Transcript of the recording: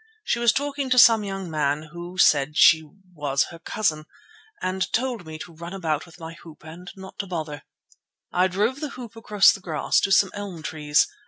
She was talking to some young man who she said was her cousin, and told me to run about with my hoop and not to bother. I drove the hoop across the grass to some elm trees.